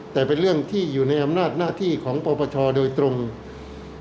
แต่เป็นเรื่องที่อยู่ในอำนาจหน้าที่ของปปชโดยตรงที่จะดำเนิน